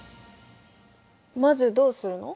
まずどうするの？